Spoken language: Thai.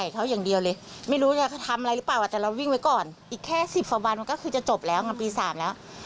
แค่๑๐ฝมันก็คือจะจบแล้วปี๓แล้ว